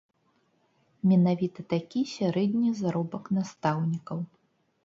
Менавіта такі сярэдні заробак настаўнікаў.